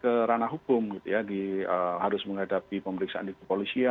ke ranah hukum harus menghadapi pemeriksaan di polisi